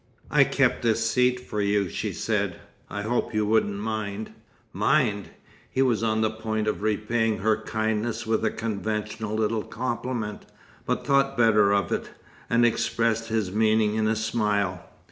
"I kept this seat for you," she said. "I hoped you wouldn't mind." "Mind!" He was on the point of repaying her kindness with a conventional little compliment, but thought better of it, and expressed his meaning in a smile.